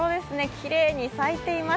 きれいに咲いています。